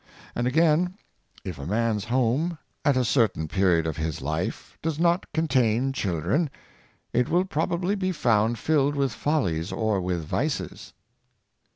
''' And again, ^' If a man's home, at a certain period of his life, does not contain children, it will probably be found filled with follies or with vices."